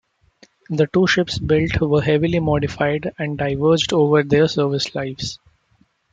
The two ships built were heavily modified and diverged over their service lives.